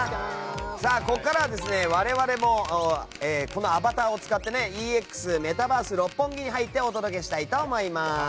ここからは我々もこのアバターを使ってＥＸメタバース六本木に入ってお届けしたいと思います。